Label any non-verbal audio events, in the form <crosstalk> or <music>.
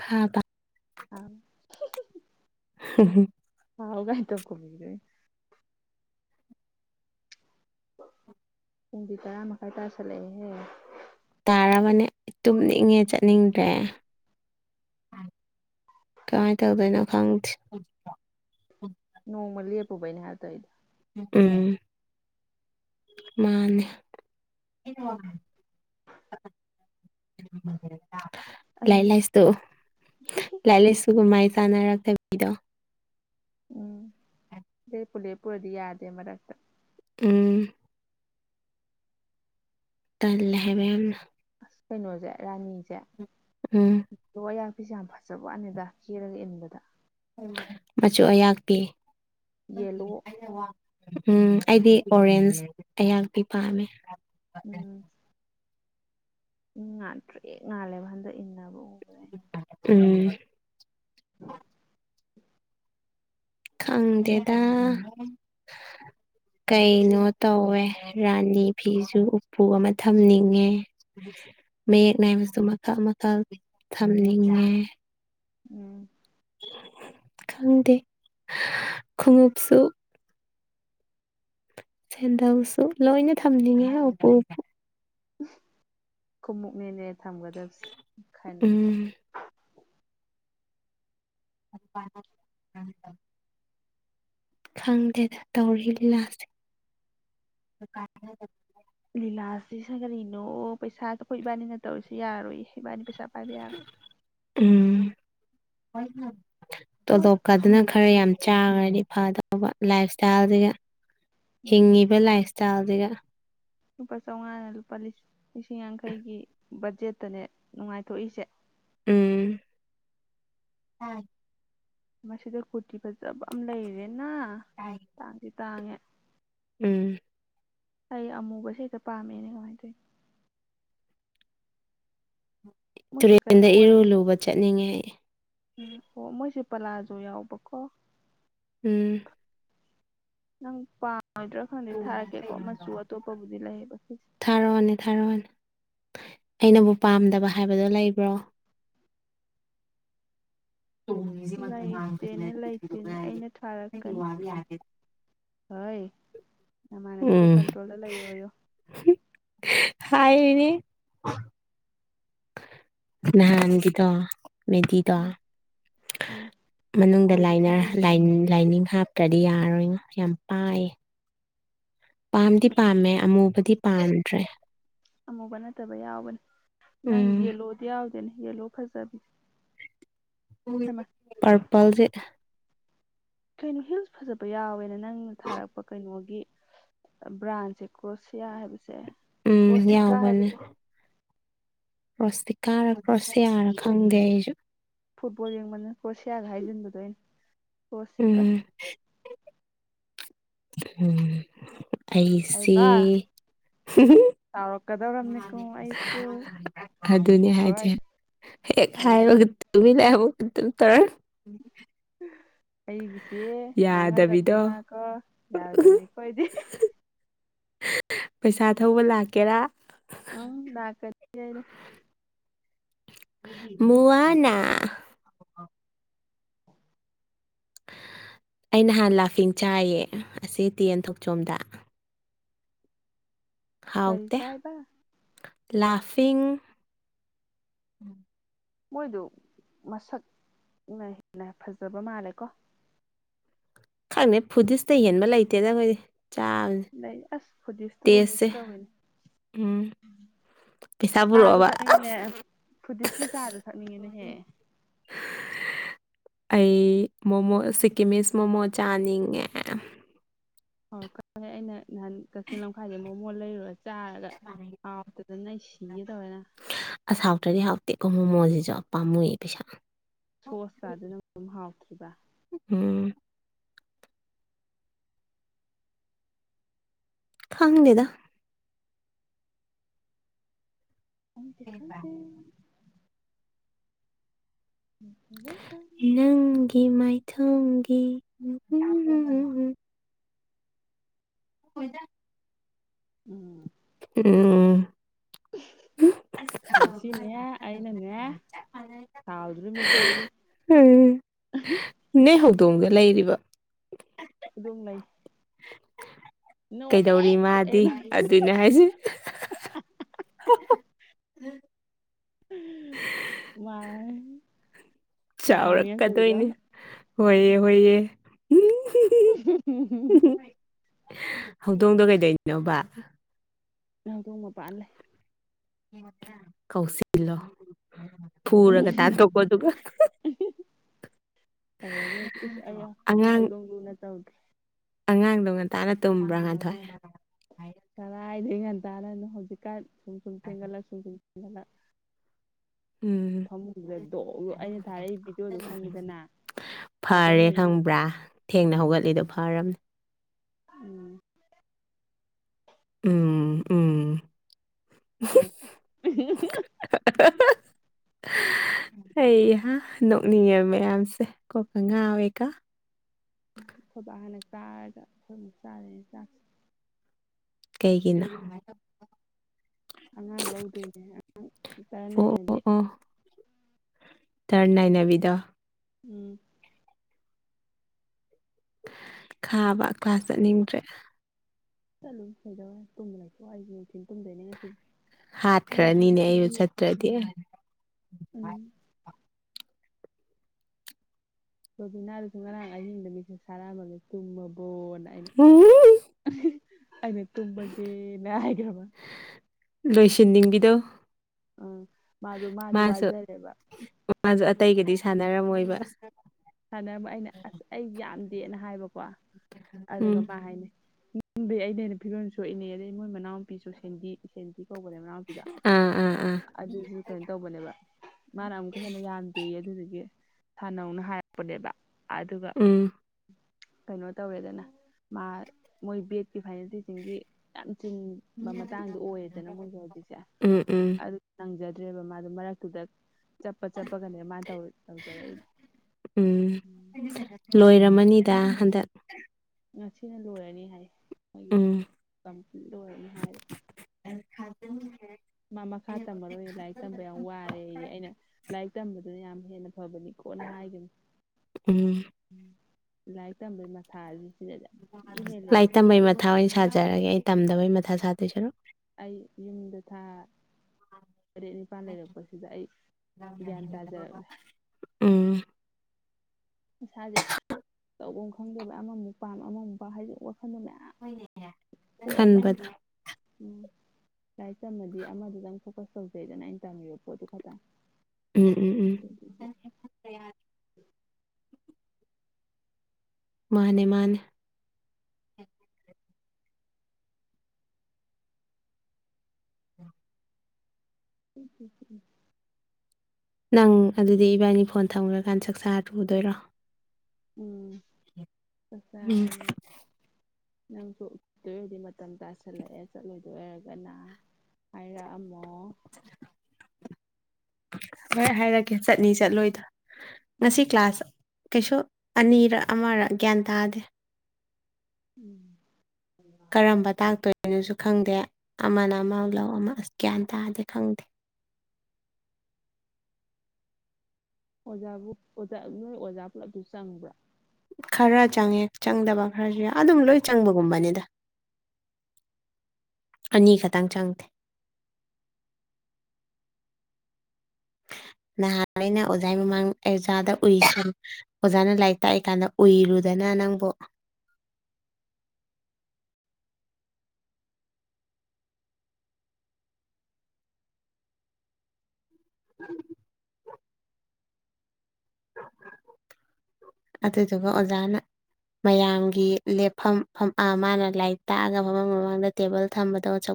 ꯈꯥꯕ <unintelligible> <unintelligible> <unintelligible> ꯄꯨꯡꯗꯤ ꯇꯔꯥ ꯃꯈꯥꯏ ꯇꯁꯜꯂꯛꯑꯦꯍꯦ꯫ ꯇꯥꯔꯕꯅꯦ ꯇꯨꯝꯅꯤꯡꯉꯦ ꯆꯠꯅꯤꯡꯗ꯭ꯔꯦ꯫ ꯀꯃꯥꯏꯅ ꯇꯧꯗꯣꯏꯅꯣ ꯈꯪꯗꯦ꯫ ꯅꯣꯡꯃ ꯂꯦꯄꯨꯕꯩꯅꯦ ꯍꯥꯏ ꯇꯥꯏꯗꯣ ꯎꯝ ꯃꯥꯅꯦ꯫ <unintelligible> ꯂꯥꯏꯔꯤꯛ ꯑꯩꯃ ꯂꯥꯏꯁꯨ ꯂꯥꯏꯔꯤꯛ ꯂꯥꯏꯁꯨꯒ ꯃꯥꯏ ꯆꯥꯅꯔꯛꯇꯕꯤꯗꯣ꯫ ꯎꯝ ꯂꯦꯞꯄꯨ ꯂꯦꯞꯄꯨꯔꯗꯤ ꯌꯥꯗꯦ ꯃꯔꯛꯇ꯫ ꯎꯝ ꯇꯜꯂꯦ ꯍꯥꯏꯕ ꯌꯥꯝꯅ꯫ ꯑꯁ ꯀꯩꯅꯣꯁꯦ ꯔꯥꯅꯤꯁꯦ, ꯎꯝ ꯑꯗꯣ ꯑꯌꯥꯛꯄꯤꯁꯦ ꯌꯥꯝ ꯐꯖꯕ ꯋꯥꯅꯦꯗ ꯀꯦꯔꯒ ꯏꯟꯕꯗ꯫ ꯃꯆꯨ ꯑꯌꯥꯥꯛ ꯄꯤ꯫ ꯌꯦꯂꯣ ꯎꯝ ꯑꯩꯗꯤ ꯑꯣꯔꯦꯟꯁ ꯑꯍꯥꯛꯄꯤ ꯄꯥꯝꯃꯦ꯫ ꯎꯝ ꯉꯥꯠꯇ꯭ꯔꯤꯛ ꯉꯥꯜꯂꯦꯕ ꯍꯟꯗꯛ ꯏꯟꯅꯕ ꯎꯕꯗ ꯑꯩꯅ꯫ ꯎꯝ <inaudible> ꯈꯪꯗꯦꯗ꯫ꯀꯩꯅꯣ ꯇꯧꯋꯦ ꯔꯥꯅꯤ ꯅꯤ ꯐꯤꯁꯨ ꯎꯄꯨ ꯑꯃ ꯊꯝꯅꯤꯡꯉꯦ꯫ ꯃꯌꯦꯛ ꯅꯥꯏꯕꯁꯨ ꯃꯈꯜ ꯃꯈꯜ ꯊꯝꯅꯤꯡꯉꯦ꯫ ꯎꯝ ꯈꯪꯗꯦ ꯈꯣꯡꯎꯞꯁꯨ꯫ ꯁꯦꯟꯗꯜꯁꯨ ꯂꯣꯏꯅ ꯊꯝꯅꯤꯡꯉꯦ ꯎꯄꯨ ꯎꯄꯨ꯫ ꯈꯨꯃꯨꯛꯅꯦꯅꯦ ꯊꯝꯒꯗꯕꯁꯦ ꯃꯈꯟ ꯎꯝ ꯃꯈꯟ꯫ <unintelligible> ꯈꯪꯗꯦꯗ ꯇꯧꯔꯤ ꯂꯤꯂꯥ ꯁꯦ꯫ ꯂꯤꯂꯥꯁꯤꯁ ꯀꯔꯤꯅꯣ ꯄꯩꯁꯥ ꯑꯈꯣꯏ ꯏꯕꯥꯟꯅꯤꯅ ꯇꯧꯔꯤꯁꯤ ꯌꯥꯔꯣꯏ ꯏꯕꯥꯟꯅꯤ ꯄꯩꯁꯥ ꯄꯥꯏꯕ ꯌꯥꯔꯣꯏ꯫ ꯎꯝ ꯃꯣꯏ ꯇꯣꯂꯣꯞꯀꯗꯨꯅ ꯈꯔ ꯌꯥꯝ ꯆꯥꯔꯗꯤ ꯐꯗꯧꯕ ꯂꯥꯏꯞ ꯏꯁꯇꯥꯏꯜꯁꯤꯒ ꯎꯝ ꯍꯤꯡꯉꯤꯕ ꯂꯥꯏꯞ ꯏꯁꯇꯥꯏꯜꯁꯤꯒ꯫ ꯂꯨꯄꯥ ꯆꯥꯎꯉꯥꯅ ꯂꯨꯄꯥ ꯂꯤꯁꯤꯡ ꯌꯥꯡꯈꯩꯒꯤ ꯕꯖꯦꯠꯇꯅꯦ ꯅꯨꯡꯉꯥꯏꯊꯣꯛꯏꯁꯦ꯫ ꯎꯝ ꯃꯁꯤꯗ ꯀꯨꯔꯇꯤ ꯐꯖꯕ ꯑꯃ ꯂꯩꯔꯦꯅ꯫ <unintelligible> ꯇꯥꯡꯗꯤ ꯇꯥꯡꯉꯦ꯫ ꯎꯝ ꯑꯩ ꯑꯃꯨꯕꯁꯦ ꯍꯦꯛꯇ ꯄꯥꯝꯃꯦꯅꯦ ꯀꯃꯥꯏꯅ ꯇꯧꯏꯅꯣ ꯃꯣꯏꯁꯦ ꯀꯩꯅꯣ ꯇꯨꯔꯦꯟꯗ ꯏꯔꯨ ꯑꯣꯏꯔꯝꯃꯦ ꯂꯨꯕ ꯆꯠꯅꯤꯡꯉꯦ ꯑꯩ ꯎꯝ ꯑꯣ ꯃꯣꯏꯁꯦ ꯄꯂꯥꯖꯨ ꯌꯥꯎꯕꯀꯣ ꯎꯝ ꯅꯪ ꯄꯥ ꯗ꯭ꯔ ꯍꯥꯟꯗꯩ ꯊꯥꯔꯛꯀꯦꯀꯣ ꯃꯆꯨ ꯑꯇꯣꯞꯄꯕꯨꯗꯤ ꯂꯩꯑꯕ ꯁꯤꯖꯦ ꯊꯥꯔꯛꯑꯣꯅꯦ ꯊꯥꯔꯛꯑꯣꯅꯦ ꯑꯩꯅꯕꯨ ꯄꯥꯝꯗꯕ ꯍꯥꯏꯕꯗꯣ ꯂꯩꯕ꯭ꯔꯣ ꯂꯩꯇꯦꯅꯦ ꯂꯩꯇꯦꯅꯦ ꯑꯩꯅ ꯊꯥꯔꯛꯀꯅꯤ ꯌꯥꯏꯌꯦ ꯍꯣꯏ ꯅꯃꯥꯟꯅꯕꯤꯗꯨ ꯎꯝ ꯀꯟꯇ꯭ꯔꯣꯜꯗ ꯂꯩꯌꯣꯌꯨ ꯍꯥꯏꯔꯤꯅꯤ ꯅꯍꯥꯟꯒꯤꯗꯣ ꯃꯦꯗꯤꯗꯣ ꯎꯝ ꯎꯝ ꯃꯅꯨꯡꯗ ꯂꯥꯏꯅꯔ ꯂꯥꯏꯅꯤꯡ ꯂꯥꯏꯅꯤꯡ ꯍꯥꯞꯇ꯭ꯔꯗꯤ ꯌꯥꯔꯣꯏꯉꯣ ꯌꯥꯝ ꯄꯥꯏꯌꯦ ꯄꯥꯝꯗꯤ ꯎꯝ ꯄꯥꯝꯃꯦ ꯑꯃꯨꯕꯗꯤ ꯄꯥꯝꯗ꯭ꯔꯦ ꯑꯃꯨꯕ ꯅꯠꯇꯕ ꯌꯥꯎꯕꯅꯦ ꯅꯪ ꯎꯝ ꯌꯦꯂꯣꯗꯤ ꯌꯥꯎꯗꯦꯅꯦ ꯌꯦꯂꯣ ꯐꯖꯕꯤ ꯍꯩꯃꯥ ꯄꯔꯄꯜꯖꯦ ꯀꯩꯅꯣ ꯍꯤꯜꯁ ꯐꯖꯕ ꯌꯥꯎꯋꯦꯅ ꯅꯪꯅ ꯊꯥꯔꯛꯄ ꯀꯩꯅꯣꯒꯤ ꯑ ꯕ꯭ꯔꯥꯟꯁꯦ ꯀ꯭ꯔꯣꯁꯤꯌꯥ ꯍꯥꯏꯕꯁꯦ ꯎꯝ ꯀ꯭ꯔꯣꯁꯤꯀꯥ ꯍꯥꯏꯕꯁꯦ ꯄ꯭ꯔꯣꯁꯇꯤꯀꯥꯔꯥ ꯀ꯭ꯔꯣꯁꯤꯌꯥꯔꯥ ꯈꯪꯗꯦ ꯑꯩꯁꯨ ꯐꯨꯠꯕꯣꯜ ꯌꯦꯡꯃꯟꯗꯅ ꯀ꯭ꯔꯣꯁꯤꯌꯥꯒ ꯍꯥꯏꯖꯟꯕꯗꯣ ꯑꯩꯅ ꯀ꯭ꯔꯣꯁꯤꯀꯥ ꯎꯝ ꯎꯝ ꯑꯩ ꯁꯤ ꯑꯩꯀꯣ ꯆꯥꯎꯔꯛꯀꯗꯧꯔꯝꯅꯤꯀꯣ ꯑꯩꯁꯨ ꯑꯗꯨꯅꯦ ꯍꯥꯏꯁꯦ ꯍꯣꯏ ꯍꯦꯛ ꯑꯩꯒꯤ ꯍꯥꯏꯕꯒ <unintelligible> ꯑꯩꯒꯤꯁꯦ ꯃꯥꯡꯍꯜꯂꯕꯗꯤ ꯌꯥꯗꯕꯤꯗꯣ ꯃꯥꯀꯣ ꯌꯥꯔꯣꯏꯗꯕꯅꯤꯀꯣ ꯑꯩꯗꯤ ꯄꯩꯁꯥ ꯊꯧꯕ ꯂꯥꯛꯀꯦꯔꯥ ꯎꯝ ꯂꯥꯛꯀ ꯅꯤ ꯑꯩꯅ ꯃꯨꯋꯥꯅ ꯑꯩ ꯅꯍꯥꯟ ꯂꯥꯐꯤꯡ ꯆꯥꯏꯌꯦ ꯑꯁꯤ ꯇꯤꯑꯦꯟ ꯊꯣꯛꯆꯣꯝꯗ ꯀꯔꯤ ꯍꯥꯎꯇꯦ ꯆꯥꯏꯕ ꯂꯥꯐꯤꯡ ꯃꯣꯏꯗꯨ ꯃꯁꯛꯅ ꯍꯦꯟꯅ ꯐꯖꯕ ꯃꯥꯜꯂꯦꯀꯣ ꯈꯪꯗꯦ ꯐꯨꯗꯤꯁꯇꯩ ꯍꯦꯟꯕ ꯂꯩꯇꯦꯗ ꯑꯈꯣꯏꯗꯤ ꯆꯥꯕꯁꯦ ꯂꯩ ꯑꯁ ꯐꯗꯤꯁꯇꯨꯕꯨ ꯃꯤꯁ ꯇꯦꯁꯁꯦ ꯇꯧꯋꯤꯅꯦ ꯎꯝ ꯄꯩꯁꯥ ꯆꯥꯗꯣ ꯄꯨꯔꯛꯑꯣꯕ ꯊꯛꯅꯤꯡꯉꯤꯅꯦ ꯐꯨꯗꯤꯁꯀꯤ ꯆꯥꯗꯣ ꯊꯛꯅꯤꯡꯉꯤꯅꯦꯍꯦ ꯑꯩ ꯃꯣꯃꯣ ꯁꯤꯛꯀꯤꯃꯤꯁ ꯃꯣꯃꯣ ꯆꯥꯅꯤꯡꯉꯦ <unintelligible> ꯑꯩꯅ ꯅꯍꯥꯟ ꯀꯛꯆꯤꯡ ꯂꯝꯈꯥꯏꯗꯩ ꯃꯣꯃꯣ ꯂꯩꯔꯨꯔ ꯆꯥꯔꯒ ꯍꯥꯎꯇ ꯗꯝꯅ ꯑꯩ ꯁꯤꯒꯦ ꯇꯧꯋꯦꯅ ꯑꯁ ꯍꯥꯎꯇ꯭ꯔꯗꯤ ꯍꯥꯎꯇꯦꯀꯣ ꯃꯣꯃꯣꯁꯤꯁꯨ ꯄꯥꯝꯃꯨꯏ ꯄꯩꯁꯥ ꯁꯣꯁ ꯀꯥꯗꯨꯅ ꯃꯔꯣꯜꯃꯥ ꯍꯥꯎꯇ꯭ꯔꯤꯕ ꯎꯝ ꯈꯪꯗꯦꯗ ꯈꯪꯗꯦ ꯈꯪꯗꯦ ꯎꯝ <unintelligible> ꯅꯪꯒꯤ ꯃꯥꯏꯊꯣꯡꯒꯤ <unintelligible> ꯑꯣꯏꯗ <unintelligible> ꯎꯝ ꯎꯝ ꯉꯁꯤꯅꯦ ꯑꯩꯅꯅꯦ ꯍꯥꯎꯗ꯭ꯔꯣꯝꯃꯤꯀꯣ ꯑꯩꯗꯤ ꯩ ꯅꯣꯏ ꯍꯧꯗꯣꯡꯗꯣ ꯂꯩꯔꯤꯕ ꯑꯗꯨꯝ ꯂꯩ ꯅꯣꯛꯑꯦ ꯀꯩꯗꯧꯔꯤ ꯇꯣꯛꯑꯦ ꯃꯥꯗꯤ ꯅꯣꯛꯑꯦ ꯑꯗꯨꯅꯦ ꯍꯥꯏꯁꯦ ꯋꯥꯏ ꯆꯥꯎꯔꯛꯀꯗꯣꯏꯅꯦ ꯍꯣꯏꯌꯦ ꯍꯣꯏꯌꯦ ꯎꯝ <unintelligible> ꯍꯧꯗꯣꯡꯗꯣ ꯀꯩꯗꯧꯔꯤꯅꯣꯕ ꯍꯧꯗꯣꯡ ꯃꯄꯥꯟ ꯂꯩ ꯀꯧꯁꯤꯜꯂꯣ ꯐꯨꯔꯒ ꯇꯥꯟꯊꯣꯛꯄꯗꯨꯒ <unintelligible> ꯇꯧꯔꯒꯦ ꯏꯁ ꯑꯩ ꯑꯉꯥꯡ ꯍꯧꯗꯣꯡ ꯂꯨꯅ ꯇꯧꯒꯦ ꯑꯉꯥꯡꯗꯣ ꯉꯟꯇꯥꯅ ꯇꯨꯝꯕ꯭ꯔꯥ ꯉꯥꯟꯊꯣꯏ ꯀꯔꯥꯏꯗꯩ ꯉꯥꯟꯇꯥꯅꯅꯣ ꯍꯧꯖꯤꯛꯀꯥꯟ ꯁꯨꯝ ꯁꯨꯝ ꯊꯦꯡꯒꯠꯂꯛ ꯁꯨꯝ ꯁꯨꯝ ꯊꯦꯡꯒꯠꯂꯛ ꯎꯝ ꯐꯃꯨꯡꯗꯨꯗ ꯗꯣ ꯑꯩꯅ ꯊꯥꯔꯛꯏ ꯚꯤꯗꯤꯑꯣꯗꯣ ꯈꯪꯉꯤꯗꯅ ꯑꯗ ꯐꯔꯦ ꯍꯦꯟꯕ ꯉꯥꯛꯇ ꯈꯪꯕ꯭ꯔꯥ ꯊꯦꯡꯅ ꯍꯧꯒꯠꯂꯤꯗꯣ ꯐꯔꯝꯅꯦ ꯎꯝ ꯎꯝ ꯎꯝ ꯍꯥꯎ <unintelligible> <unintelligible> ꯑꯩꯍꯥ ꯅꯣꯛ ꯅꯤꯉꯦ ꯃꯌꯥꯝꯁꯦ ꯀꯣꯛꯀ ꯉꯥꯎꯋꯦꯀꯣ ꯈꯣꯏꯕꯥ ꯍꯥꯟꯅ ꯆꯥꯔꯒ ꯈꯣꯏꯃꯨꯛ ꯆꯥꯔꯅꯤ ꯆꯥꯛꯁꯦ ꯀꯩꯒꯤꯅꯣ ꯑꯉꯥꯡ ꯂꯧꯗꯣꯏꯅꯦ ꯑꯉꯥꯡ ꯏ ꯆꯔ ꯅꯥꯏꯅꯕꯤ ꯇꯔꯅꯥꯥꯏꯅꯕꯤꯗꯣ꯫ ꯎꯝ ꯈꯥꯕ ꯀ꯭ꯂꯥꯁ ꯆꯠꯅꯤꯡꯗ꯭ꯔꯦ ꯆꯠꯂꯨꯅꯨ ꯀꯩꯗꯧꯋꯦ ꯇꯨꯝꯕ ꯂꯩꯊꯣꯛ ꯑꯩꯁꯨ ꯅꯨꯡꯊꯤꯜ ꯇꯨꯝꯗꯣꯏꯅꯦ ꯉꯁꯤꯗꯤ ꯍꯥꯠꯈ꯭ꯔꯅꯤꯅꯦ ꯑꯩꯁꯨ ꯆꯠꯇ꯭ꯔꯗꯤ ꯎꯝ ꯔꯣꯕꯤꯅꯥꯗꯨꯁꯨ ꯉꯔꯥꯡ ꯑꯍꯤꯡꯗ ꯃꯤꯁꯦꯁ ꯊꯥꯔꯛꯑꯝꯃꯃꯦ ꯇꯨꯝꯃꯕꯣꯅ ꯑꯩꯅ ꯎꯝ <unintelligible> ꯑꯩꯅ ꯇꯨꯝꯕꯒꯦꯅ ꯍꯥꯏꯈ꯭ꯔꯕ ꯂꯣꯏꯁꯤꯟꯅꯤꯡꯕꯤꯗꯣ ꯎꯝ ꯃꯥꯗꯣ ꯃꯥꯁꯨ ꯋꯥꯖꯔꯦꯕ ꯃꯥꯁꯨ ꯑꯇꯩꯒꯗꯤ ꯁꯥꯟꯅꯔꯝꯃꯣꯏꯕ ꯁꯥꯟꯅꯔꯝꯃꯣꯏ ꯑꯩꯅ ꯑꯁ ꯑꯩ ꯌꯥꯝꯗꯦꯅ ꯍꯥꯏꯕꯀꯣ ꯑꯗꯨꯒ ꯎꯝ ꯃꯥ ꯍꯥꯏꯅꯤ ꯅ ꯌꯗꯤ ꯑꯩꯅ ꯍꯦꯅ ꯐꯤꯕꯝ ꯁꯣꯛꯏꯅꯦ ꯑꯗꯩꯏ ꯃꯣꯏ ꯃꯅꯥꯎꯄꯤꯁꯨ ꯁꯦꯟꯗꯤ ꯁꯦꯟꯘꯤ ꯀꯧꯕꯅꯦ ꯃꯅꯥꯎꯄꯤꯗꯣ ꯑꯥ ꯑꯥ ꯑꯥ ꯑꯗꯨꯁꯨ ꯀꯩꯅꯣ ꯇꯧꯕꯅꯦꯕ ꯃꯥꯅ ꯑꯃꯨꯛꯀ ꯍꯦꯟꯅ ꯌꯥꯝꯗꯦ ꯑꯗꯨꯗꯨꯒꯤ ꯊꯥꯟꯅꯧꯅ ꯍꯥꯏ ꯄꯨꯅꯦꯕ ꯑꯗꯨꯒ ꯎꯝ ꯀꯩꯅꯣ ꯇꯧꯔꯦꯗꯅ ꯃꯥ ꯃꯣꯏ ꯕꯦꯠꯀꯤ ꯐꯥꯏꯅꯦꯜꯇꯤꯁꯤꯡꯒꯤ ꯌꯥꯝ ꯆꯤꯟ ꯕ ꯃꯇꯥꯡꯗ ꯑꯣꯏꯔꯦꯗꯅ ꯃꯣꯏꯖꯦ ꯍꯧꯖꯤꯛꯁꯦ ꯎꯝ ꯎꯝ ꯑꯗꯨ ꯅꯪꯖꯗ꯭ꯔꯦꯕ ꯃꯥꯗꯣ ꯃꯔꯛꯇꯨꯗ ꯆꯠꯄ ꯆꯠꯄꯒꯅꯦ ꯃꯥꯅ ꯇꯧꯔꯛ ꯇꯧꯖꯔꯛꯏꯖꯦ ꯎꯝ ꯂꯣꯏꯔꯝꯃꯅꯤꯗ ꯍꯟꯗꯛ ꯉꯁꯤꯅ ꯂꯣꯏꯔꯅꯤ ꯍꯥꯏꯌꯦ ꯃꯣꯏꯒꯤ ꯎꯝ ꯀꯝꯄ꯭ꯂꯤꯠ ꯂꯣꯏꯔꯅꯤ ꯍꯥꯏꯌꯦꯕ <unintelligible> ꯃꯥ ꯃꯈꯥ ꯇꯝꯃꯔꯣꯏ ꯂꯥꯏꯔꯤꯛ ꯇꯝꯕ ꯌꯥꯝ ꯋꯥꯔꯦꯌꯦ ꯑꯩꯅ ꯂꯥꯏꯔꯤꯛ ꯇꯝꯕꯗꯨꯅ ꯌꯥꯝ ꯍꯦꯟꯅ ꯐꯕꯅꯤ ꯀꯣꯟꯅ ꯍꯥꯏꯒꯤꯝꯅꯤ ꯎꯝ ꯎꯝ ꯂꯥꯏꯔꯤꯛ ꯇꯝꯕꯩ ꯃꯊꯥꯖꯦ ꯂꯥꯏꯔꯤꯛ ꯇꯝꯕꯩ ꯃꯊꯥ ꯑꯣꯏꯅ ꯁꯥꯖꯔꯒꯦ ꯑꯩ ꯇꯝꯗꯕꯩ ꯃꯊꯥ ꯁꯥꯗꯣꯏ ꯁꯔꯨꯛ ꯑꯩ ꯌꯨꯝꯗ ꯊꯥ ꯇꯔꯦꯠ ꯅꯤꯄꯥꯜ ꯂꯩꯔꯛꯄꯁꯤꯗ ꯑꯩ ꯒ꯭ꯌꯥꯟ ꯇꯥꯖꯔꯛꯂꯦ ꯎꯝ ꯏꯁꯥꯖꯦ ꯇꯧꯕꯝ ꯈꯪꯗꯦꯕꯩ ꯑꯃꯃꯨꯛ ꯄꯥꯝ ꯑꯃꯃꯨꯛ ꯄꯥꯝ ꯍꯥꯏꯗꯤ ꯋꯥꯈꯟꯗꯣ ꯃꯌꯥꯝ ꯈꯣꯛꯑꯦꯕ ꯈꯟꯕꯗ ꯎꯝ ꯂꯥꯏꯔꯤꯛ ꯇꯝꯃꯗꯤ ꯑꯃꯗꯨꯗꯪ ꯐꯣꯀꯁ ꯇꯧꯖꯩꯗꯅ ꯑꯩꯅ ꯇꯝꯃꯤꯕ ꯄꯣꯠꯇꯨ ꯈꯛꯇꯪ ꯎꯝ ꯎꯝ ꯑꯗꯨꯗꯨꯒꯤ ꯎꯝ ꯃꯥꯅꯦ ꯃꯥꯅꯦ <unintelligible> ꯅꯪ ꯑꯗꯨꯗꯤ ꯏꯕꯥꯅꯤ ꯐꯣꯟ ꯊꯝꯒ꯭ꯔꯀꯥꯟꯗ ꯆꯥꯛꯆꯥꯔ ꯇꯨꯗꯣꯏꯔꯣ ꯎꯝ ꯎꯝ ꯆꯥꯛꯆꯥꯔꯅꯤ ꯅꯪꯁꯨ ꯎꯠꯇꯣꯏ ꯑꯣꯏꯔꯗꯤ ꯃꯇꯝ ꯇꯥꯁꯜꯂꯛꯑꯦ ꯆꯠꯂꯣꯏꯗꯣꯏ ꯑꯣꯏꯔꯒꯅ ꯍꯥꯏꯔꯛꯑꯝꯃꯣ <unintelligible> ꯍꯣꯏ ꯍꯥꯏꯔꯛꯀꯦ ꯆꯠꯅꯤ ꯆꯠꯂꯣꯏꯗꯣ ꯉꯁꯤ ꯎꯝ ꯀ꯭ꯂꯥꯁ ꯀꯩꯁꯨ ꯑꯅꯤꯔ ꯑꯃꯔ ꯒ꯭ꯌꯥꯟ ꯇꯥꯗꯦ ꯎꯝ ꯀꯔꯝꯕ ꯇꯥꯛꯇꯣꯏꯅꯣꯖꯨ ꯈꯪꯗꯦ ꯑꯃꯅ ꯑꯃ ꯂꯧ ꯑꯃ ꯑꯁ ꯒ꯭ꯌꯥꯟ ꯇꯥꯗꯦ ꯈꯪꯗꯦ ꯑꯣꯖꯥꯕꯨ ꯑꯣꯖꯥ ꯅꯣꯏ ꯑꯣꯖꯥ ꯄꯨꯂꯞꯇꯨ ꯆꯪꯕ꯭ꯔꯥ ꯈꯔ ꯆꯪꯉꯦ ꯆꯪꯗꯕ ꯈꯔꯖꯨ ꯌꯥꯎ ꯑꯗꯨꯝ ꯂꯣꯏ ꯆꯪꯕꯒꯨꯝꯕꯅꯤꯗ ꯑꯅꯤ ꯈꯛꯇꯪ ꯆꯪꯗꯦ ꯅꯍꯥꯟ ꯑꯩꯅ ꯑꯣꯖꯥꯏ ꯃꯃꯥꯡ ꯑꯦꯖꯥꯗ ꯎꯏꯁꯟ ꯑꯣꯖꯥꯅ ꯂꯥꯏꯔꯤꯛ ꯇꯥꯛꯏ ꯀꯥꯟꯗ ꯎꯏꯔꯨꯗꯅ ꯅꯪꯕꯣ <unintelligible> ꯑꯗꯨꯗꯨꯒ ꯑꯣꯖꯥꯅ ꯃꯌꯥꯝꯒꯤ ꯂꯦꯞꯐꯝ ꯐꯝ ꯑ ꯃꯥꯅ ꯂꯥꯏꯔꯤꯛ ꯇꯥꯛꯑꯒ ꯐꯝꯕꯝ ꯃꯃꯥꯡꯗ ꯇꯦꯕꯜ ꯊꯝꯕꯗꯣ ꯆꯧ